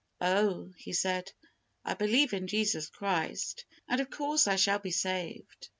"Oh," he said, "I believe in Jesus Christ, and of course I shall be saved."